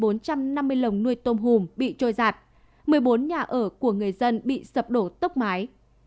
hơn bốn trăm năm mươi lồng nuôi tôm hùm bị trôi giạt một mươi bốn nhà ở của người dân bị sập đổ tốc mái